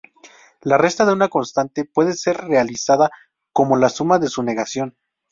La resta de una constante puede ser realizada como la suma de su negación.